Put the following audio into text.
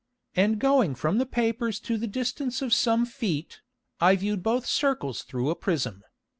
And going from the Papers to the distance of some Feet, I viewed both Circles through a Prism.